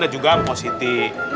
dan juga mpositif